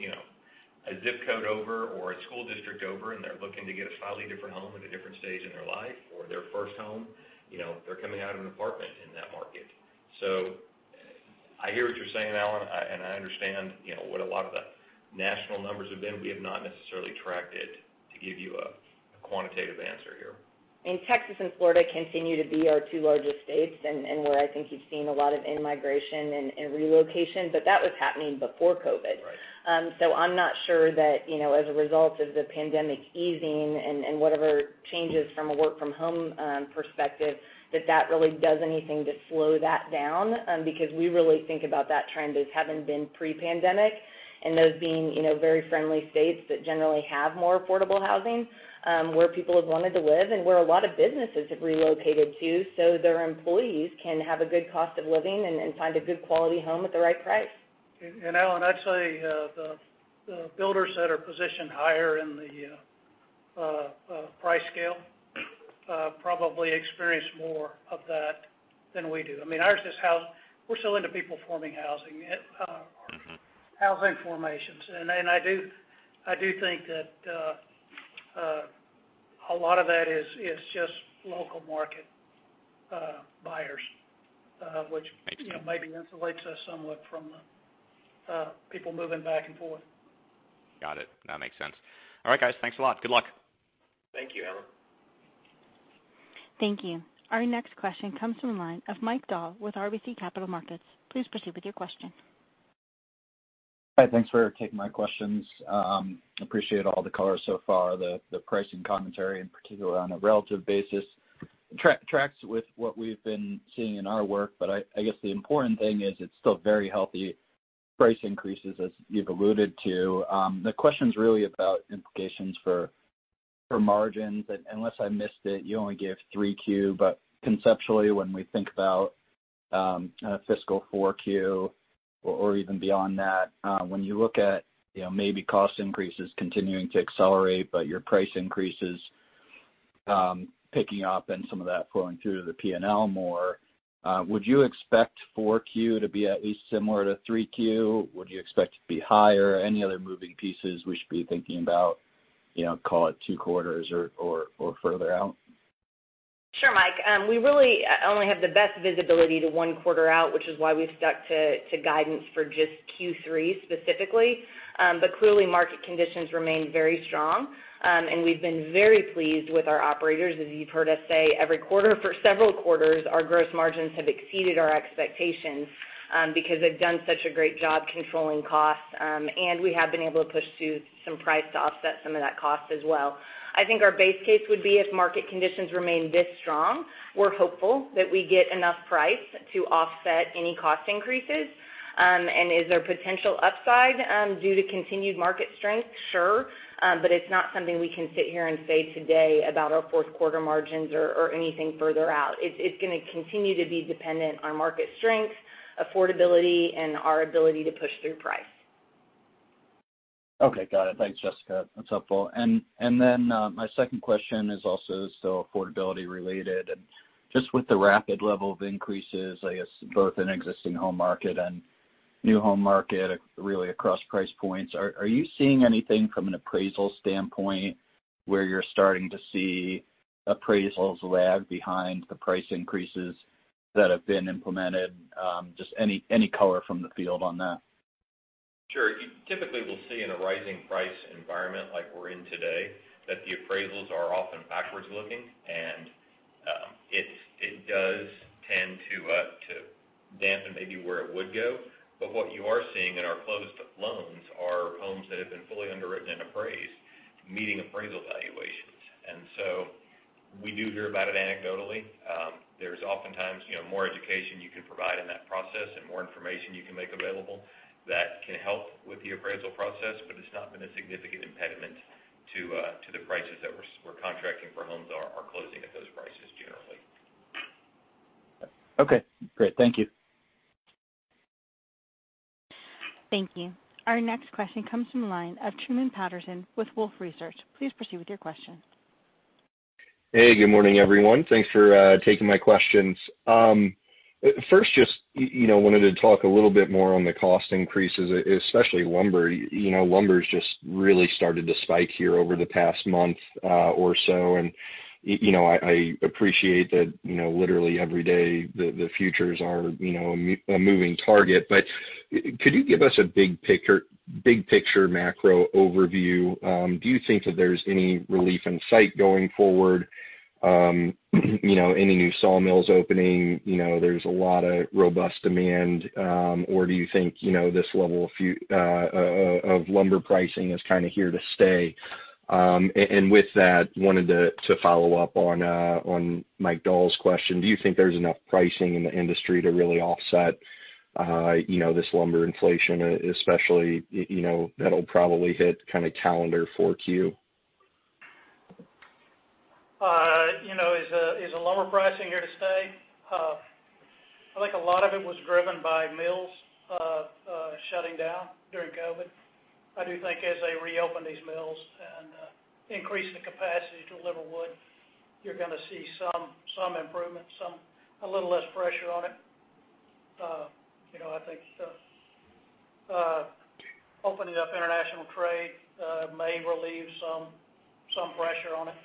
S4: a ZIP code over or a school district over, and they're looking to get a slightly different home at a different stage in their life or their first home. They're coming out of an apartment in that market." I hear what you're saying, Alan, and I understand what a lot of the national numbers have been. We have not necessarily tracked it to give you a quantitative answer here.
S2: Texas and Florida continue to be our two largest states and where I think you've seen a lot of in-migration and relocation, but that was happening before COVID.
S4: Right.
S2: I'm not sure that, as a result of the pandemic easing and whatever changes from a work-from-home perspective, that that really does anything to slow that down. We really think about that trend as having been pre-pandemic and those being very friendly states that generally have more affordable housing, where people have wanted to live and where a lot of businesses have relocated to so their employees can have a good cost of living and find a good quality home at the right price.
S3: Alan, I'd say the builders that are positioned higher in the price scale probably experience more of that than we do. Ours is how we're so into people forming housing formations. I do think that a lot of that is just local market buyers. Maybe insulates us somewhat from people moving back and forth.
S12: Got it. No, it makes sense. All right, guys, thanks a lot. Good luck.
S4: Thank you, Alan.
S1: Thank you. Our next question comes from the line of Mike Dahl with RBC Capital Markets. Please proceed with your question.
S13: Hi, thanks for taking my questions. Appreciate all the color so far, the pricing commentary in particular on a relative basis. I guess the important thing is it's still very healthy price increases, as you've alluded to. The question's really about implications for margins. Unless I missed it, you only gave 3Q, but conceptually, when we think about fiscal 4Q or even beyond that, when you look at maybe cost increases continuing to accelerate, your price increases picking up and some of that flowing through to the P&L more, would you expect 4Q to be at least similar to 3Q? Would you expect it to be higher? Any other moving pieces we should be thinking about, call it two quarters or further out?
S2: Sure, Mike. We really only have the best visibility to one quarter out, which is why we've stuck to guidance for just Q3 specifically. Clearly, market conditions remain very strong, and we've been very pleased with our operators. As you've heard us say every quarter for several quarters, our gross margins have exceeded our expectations because they've done such a great job controlling costs, and we have been able to push through some price to offset some of that cost as well. I think our base case would be if market conditions remain this strong, we're hopeful that we get enough price to offset any cost increases. Is there potential upside due to continued market strength? Sure. It's not something we can sit here and say today about our fourth quarter margins or anything further out. It's going to continue to be dependent on market strength, affordability, and our ability to push through price.
S13: Okay. Got it. Thanks, Jessica. That's helpful. My second question is also still affordability related. Just with the rapid level of increases, I guess both in existing home market and new home market, really across price points, are you seeing anything from an appraisal standpoint where you're starting to see appraisals lag behind the price increases that have been implemented? Just any color from the field on that.
S4: Sure. You typically will see in a rising price environment like we're in today, that the appraisals are often backwards-looking, and it does tend to dampen maybe where it would go. What you are seeing in our closed loans are homes that have been fully underwritten and appraised, meeting appraisal valuations. We do hear about it anecdotally. There's oftentimes more education you can provide in that process and more information you can make available that can help with the appraisal process, but it's not been a significant impediment to the prices that we're contracting for homes or closing at those prices generally.
S13: Okay, great. Thank you.
S1: Thank you. Our next question comes from the line of Truman Patterson with Wolfe Research. Please proceed with your question.
S14: Hey, good morning, everyone. Thanks for taking my questions. First, just wanted to talk a little bit more on the cost increases, especially lumber. Lumber's just really started to spike here over the past month or so, and I appreciate that literally every day, the futures are a moving target. Could you give us a big picture macro overview? Do you think that there's any relief in sight going forward? Any new sawmills opening? There's a lot of robust demand. Do you think this level of lumber pricing is kind of here to stay? With that, wanted to follow up on Mike Dahl's question. Do you think there's enough pricing in the industry to really offset this lumber inflation, especially, that'll probably hit kind of calendar 4Q?
S3: Is the lumber pricing here to stay? I think a lot of it was driven by mills shutting down during COVID. I do think as they reopen these mills and increase the capacity to deliver wood, you're going to see some improvement, a little less pressure on it. I think opening up international trade may relieve some pressure on it.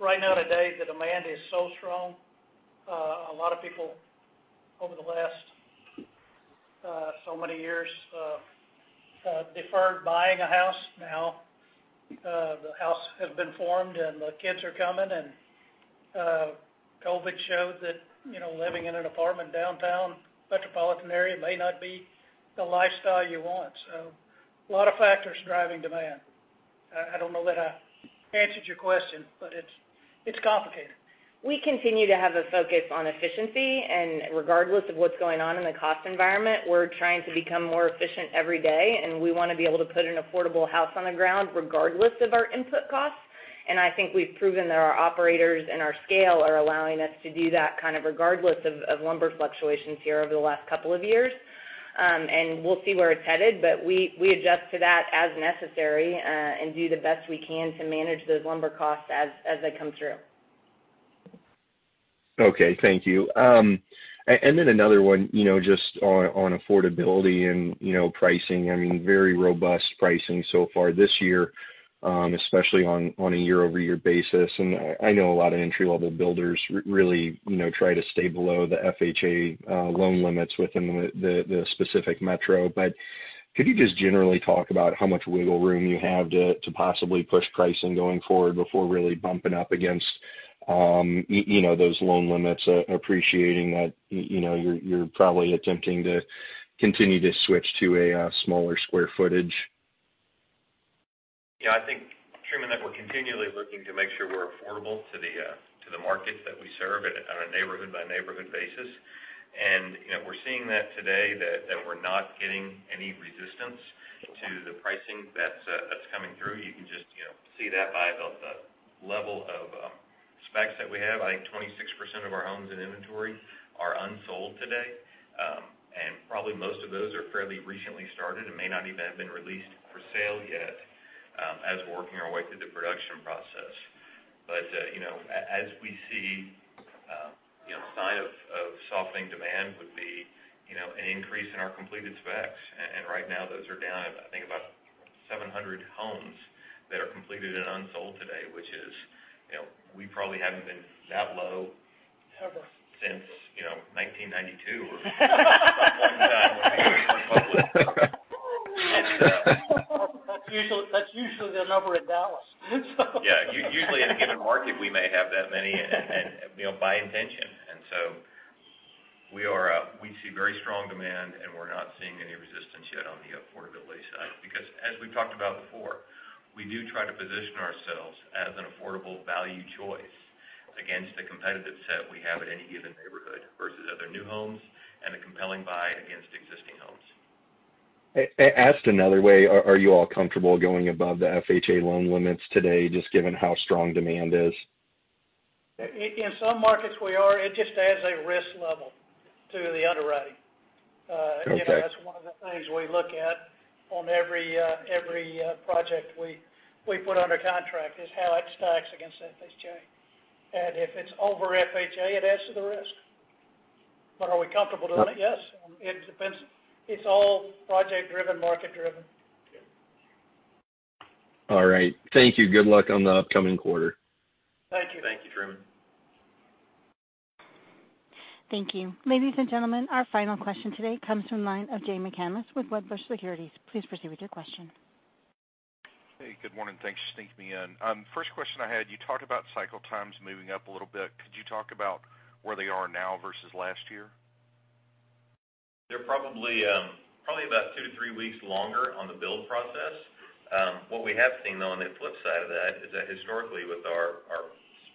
S3: Right now today, the demand is so strong. A lot of people over the last so many years deferred buying a house. Now, the house has been formed, and the kids are coming, and COVID showed that living in an apartment downtown metropolitan area may not be the lifestyle you want. A lot of factors driving demand. I don't know that I answered your question, but it's complicated.
S2: We continue to have a focus on efficiency, and regardless of what's going on in the cost environment, we're trying to become more efficient every day, and we want to be able to put an affordable house on the ground regardless of our input costs. I think we've proven that our operators and our scale are allowing us to do that kind of regardless of lumber fluctuations here over the last couple of years. We'll see where it's headed, but we adjust to that as necessary, and do the best we can to manage those lumber costs as they come through.
S14: Okay, thank you. Another one, just on affordability and pricing. I mean, very robust pricing so far this year, especially on a year-over-year basis, and I know a lot of entry-level builders really try to stay below the FHA loan limits within the specific metro. Could you just generally talk about how much wiggle room you have to possibly push pricing going forward before really bumping up against those loan limits, appreciating that you're probably attempting to continue to switch to a smaller square footage?
S4: Yeah, I think, Truman, that we're continually looking to make sure we're affordable to the market that we serve on a neighborhood-by-neighborhood basis. We're seeing that today, that we're not getting any resistance to the pricing that's coming through. You can just see that by the level of specs that we have. I think 26% of our homes in inventory are unsold today. Probably most of those are fairly recently started and may not even have been released for sale yet as we're working our way through the production process. As we see a sign of softening demand would be an increase in our completed specs, and right now those are down, I think, about 700 homes that are completed and unsold today, which is, we probably haven't been that low.
S3: Ever
S4: since 1992 some long time when we first went public.
S3: That's usually the number at Dallas.
S4: Yeah, usually in a given market, we may have that many, and by intention. We see very strong demand, and we're not seeing any resistance yet on the affordability side, because as we've talked about before, we do try to position ourselves as an affordable value choice against the competitive set we have at any given neighborhood versus other new homes and a compelling buy against existing homes.
S14: Asked another way, are you all comfortable going above the FHA loan limits today, just given how strong demand is?
S3: In some markets we are. It just adds a risk level to the underwriting.
S14: Okay.
S3: That's one of the things we look at on every project we put under contract is how it stacks against FHA. If it's over FHA, it adds to the risk. Are we comfortable doing it? Yes. It depends. It's all project driven, market driven.
S4: Yeah.
S14: All right. Thank you. Good luck on the upcoming quarter.
S3: Thank you.
S4: Thank you, Truman.
S1: Thank you. Ladies and gentlemen, our final question today comes from the line of Jay McCanless with Wedbush Securities. Please proceed with your question.
S15: Hey, good morning. Thanks for sneaking me in. First question I had, you talked about cycle times moving up a little bit. Could you talk about where they are now versus last year?
S4: They're probably about two-three weeks longer on the build process. What we have seen, though, on the flip side of that, is that historically with our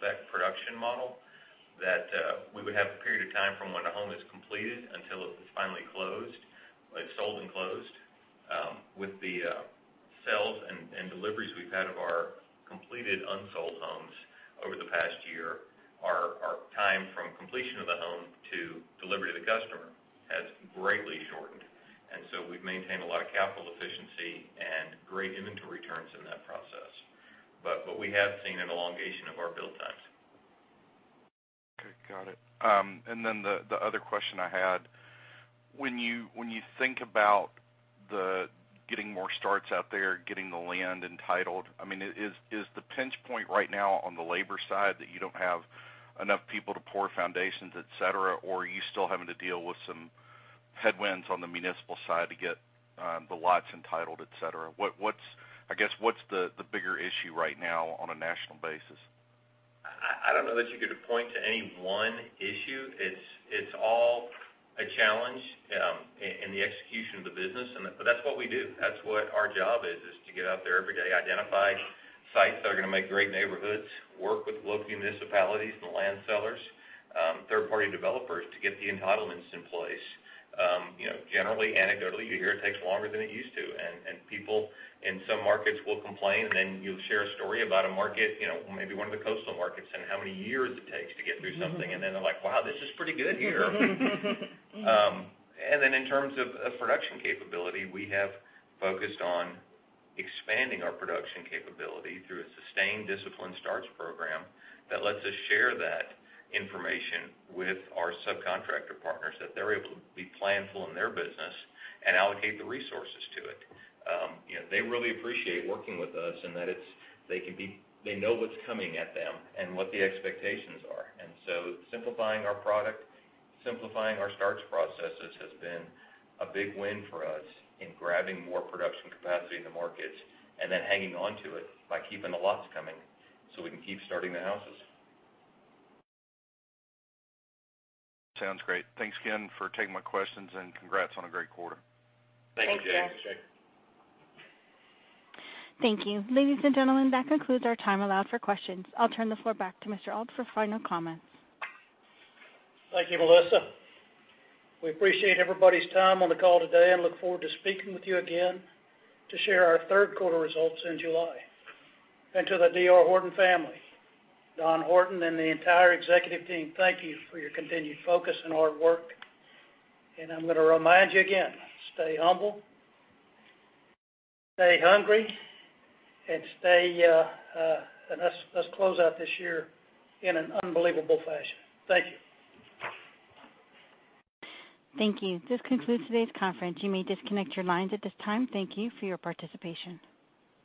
S4: spec production model, that we would have a period of time from when a home is completed until it was finally closed. That have sold and closed. With the sales and deliveries we've had of our completed unsold homes over the past year, our time from completion of the home to delivery to the customer has greatly shortened. So we've maintained a lot of capital efficiency and great inventory turns in that process. We have seen an elongation of our build times.
S15: Okay. Got it. The other question I had, when you think about getting more starts out there, getting the land entitled, is the pinch point right now on the labor side that you don't have enough people to pour foundations, et cetera, or are you still having to deal with some headwinds on the municipal side to get the lots entitled, et cetera? I guess, what's the bigger issue right now on a national basis?
S4: I don't know that you could point to any one issue. It's all a challenge in the execution of the business. That's what we do. That's what our job is to get out there every day, identify sites that are going to make great neighborhoods, work with local municipalities and the land sellers, third-party developers to get the entitlements in place. Generally, anecdotally, you hear it takes longer than it used to, and people in some markets will complain, and then you'll share a story about a market, maybe one of the coastal markets, and how many years it takes to get through something. They're like, "Wow, this is pretty good here." In terms of production capability, we have focused on expanding our production capability through a sustained discipline starts program that lets us share that information with our subcontractor partners, that they're able to be planful in their business and allocate the resources to it. They really appreciate working with us, and that they know what's coming at them and what the expectations are. Simplifying our product, simplifying our starts processes has been a big win for us in grabbing more production capacity in the markets, and then hanging on to it by keeping the lots coming so we can keep starting the houses.
S15: Sounds great. Thanks again for taking my questions. Congrats on a great quarter.
S4: Thank you, Jay.
S3: Thank you.
S1: Thank you. Ladies and gentlemen, that concludes our time allowed for questions. I'll turn the floor back to Mr. Auld for final comments.
S3: Thank you, Melissa. We appreciate everybody's time on the call today and look forward to speaking with you again to share our third-quarter results in July. To the D.R. Horton family, Don Horton, and the entire executive team, thank you for your continued focus and hard work. I'm going to remind you again, stay humble, stay hungry, and let's close out this year in an unbelievable fashion. Thank you.
S1: Thank you. This concludes today's conference. You may disconnect your lines at this time. Thank you for your participation.